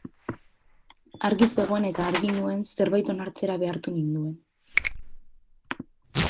Argi zegoen eta argi nuen zerbait onartzera behartu ninduen.